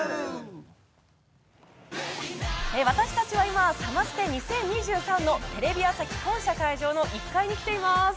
私たちは今サマステ２０２３のテレビ朝日本社会場の１階に来ています。